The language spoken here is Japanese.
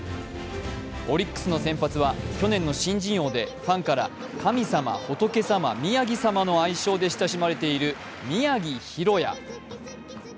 オリックスの先発は去年の新人王でファンから神様・仏様・宮城様の愛称で親しまれている、宮城大弥。